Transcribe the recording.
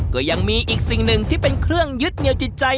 ก็ยังมีอีกสิ่งหนึ่งที่เป็นเครื่องยึดเหนียวจิตใจ